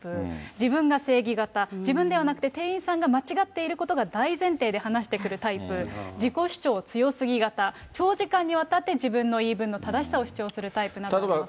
自分が正義型、自分ではなくて店員さんが間違っていることが大前提で話してくるタイプ、自己主張強すぎ型、長時間にわたって自分の言い分の正しさを主張するタイプなどあります。